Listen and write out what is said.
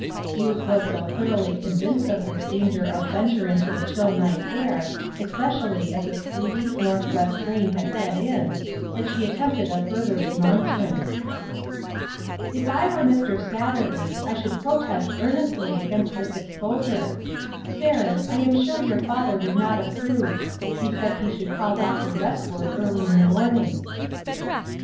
Ruth was so thoroughly convinced of this danger of venture into the chill night air, especially as a sleety, northwest rain had set in, that she at tempted a further remonstrance. " If I were Mr. Satterley, I should protest ear A PLAIN UNDERSTANDING. 205 nestly against this exposure. Seraph, I am sure your father would not approve ; he said he should call Dr. West wood early in the morning."